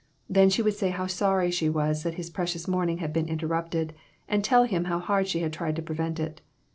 Then she would say how sorry she was that his precious morning had been interrupted, and tell him how hard she had tried to prevent it.